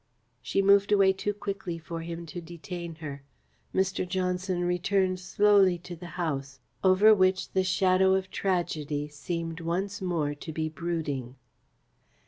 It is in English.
She moved away too quickly for him to detain her. Mr. Johnson returned slowly to the house, over which the shadow of tragedy seemed once more to be brooding.